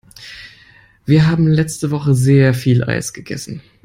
Wir haben letzte Woche sehr viel Eis gegessen.